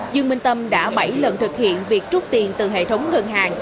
nhương minh tâm đã bảy lần thực hiện việc trút tiền từ hệ thống ngân hàng